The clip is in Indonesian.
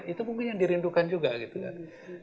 itu mungkin yang dirindukan juga gitu kan